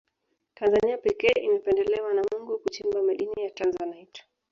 tanzania pekee imependelewa na mungu kuchimba madini ya tanzanite